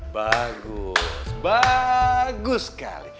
bagus bagus sekali